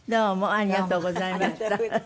ありがとうございます。